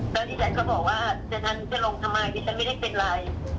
แล้วที่ฉันก็บอกว่าจะลงทำไมดิฉันไม่ได้เป็นไร